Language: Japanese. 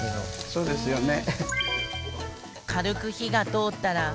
そうですよね。